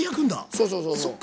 そうそうそうそう。